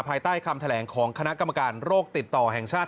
ภายใต้คำแถลงของคณะกรรมการโรคติดต่อแห่งชาติ